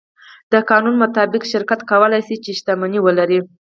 د قانون مطابق شرکت کولی شي، چې شتمنۍ ولري.